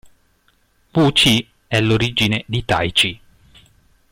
Wu-Chi è l'origine di Tai-Chi.